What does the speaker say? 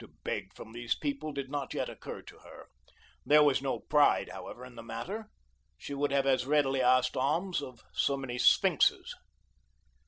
To beg from these people did not yet occur to her. There was no pride, however, in the matter. She would have as readily asked alms of so many sphinxes.